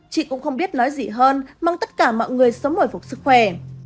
chị cũng không biết nói gì hơn mong tất cả mọi người sống mỗi phục sức khỏe